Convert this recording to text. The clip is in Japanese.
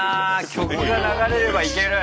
「曲が流れればいける」。